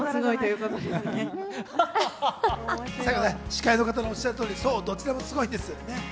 司会の方のおっしゃる通り、どっちもすごいんです。